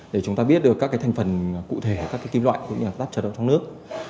để chúng ta biết được các thành phần cụ thể các kim loại các chất trong nước